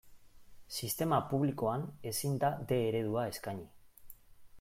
Sistema publikoan ezin da D eredua eskaini.